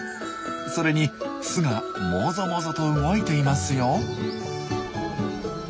それに巣がもぞもぞと動いていますよ。